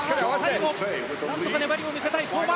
最後、なんとか粘りを見せたい相馬。